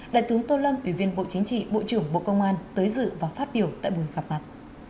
đại tướng tô lâm ủy viên bộ chính trị bộ trưởng bộ công an tới dự và phát biểu tại buổi gặp mặt